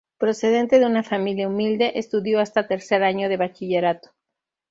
Procedente de una familia humilde, estudió hasta tercer año de Bachillerato.